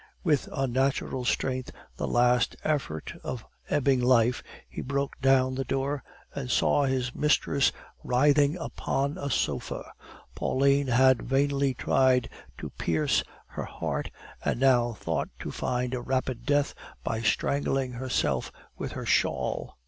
With unnatural strength, the last effort of ebbing life, he broke down the door, and saw his mistress writhing upon a sofa. Pauline had vainly tried to pierce her heart, and now thought to find a rapid death by strangling herself with her shawl.